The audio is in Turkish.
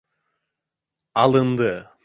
Alındı.